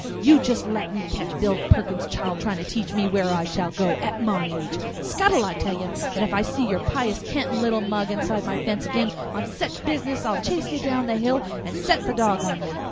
You just let me ketch Bill Perkins' child trying to teach me where I shall go, at my age! Scuttle, I tell ye! And if I see your pious cantin' little mug inside my fence ag'in on sech a business I'll chase ye down the hill or set the dog on ye!